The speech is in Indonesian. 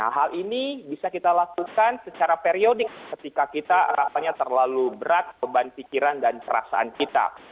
hal ini bisa kita lakukan secara periodik ketika kita rasanya terlalu berat beban pikiran dan perasaan kita